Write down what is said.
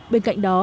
bên cạnh đó